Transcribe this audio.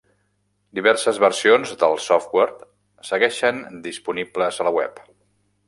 Diverses versions del software segueixen disponibles a la Web.